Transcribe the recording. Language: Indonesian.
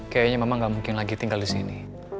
kayanya mama gak mungkin lagi tinggal disini